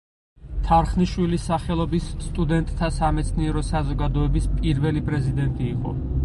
თარხნიშვილის სახელობის სტუდენტთა სამეცნიერო საზოგადოების პირველი პრეზიდენტი იყო.